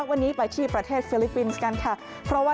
วันนี้ไปที่ประเทศฟิลิปปินส์กันค่ะเพราะว่า